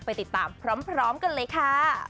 ไปติดตามพร้อมกันเลยค่ะ